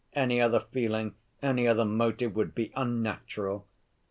Any other feeling, any other motive would be unnatural.